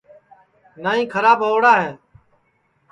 نائی کھراب ہؤڑا ہے